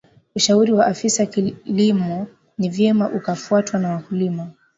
ushauri wa afisa kilimo ni vyema ukafatwa na wakulima